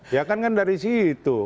ya kan kan dari situ